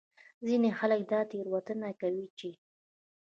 ځینې خلک دا تېروتنه کوي چې